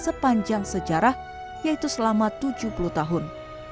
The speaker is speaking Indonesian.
sepanjang sejarah yaitu selama tujuh puluh tahun